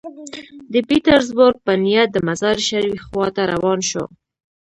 د پیټرزبورګ په نیت د مزار شریف خوا ته روان شو.